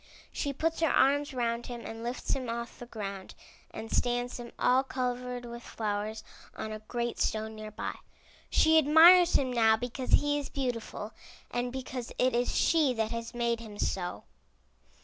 She puts her arms around him and lifts him off the ground and stands him, all covered with flowers, on a great stone near by. She admires him now because he is beautiful, and because it is she that has made him so.